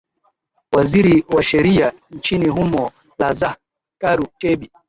waziri wa sheria nchini humo la zah karu chebi